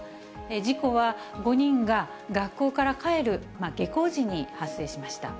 事故は５人が学校から帰る下校時に発生しました。